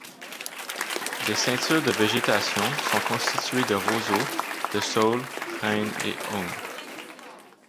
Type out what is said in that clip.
Les ceintures de végétation sont constituées de roseaux, de saules, frênes et aulnes.